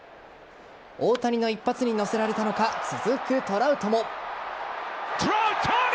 大谷の一発に乗せられたのか続くトラウトも。